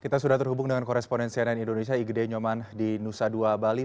kita sudah terhubung dengan koresponen cnn indonesia igd nyoman di nusa dua bali